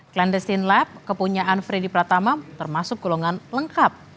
clandestin lab kepunyaan freddy pratama termasuk golongan lengkap